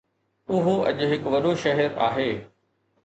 اهو اڄ هڪ وڏو شهر آهي.